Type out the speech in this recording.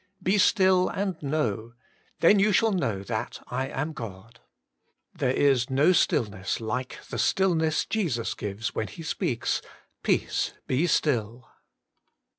*Be still, and know,' then you shall know *that I am God.' There is no stillness like the stillness Jesus gives when He speaks, 'Peace, be still.'